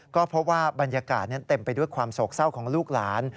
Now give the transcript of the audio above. ก็เพราะว่าบรรยากาศนั้นเต็มไปด้วยความโศกเศร้าของลูกหลาน